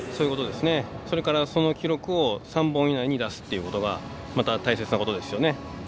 それから、その記録を３本以内に出すっていうことがまた大切なことですよね。